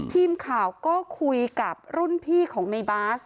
ทีมข่าวก็คุยกับรุ่นพี่ของในบาส